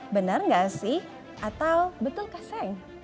benar gak sih atau betul gak seng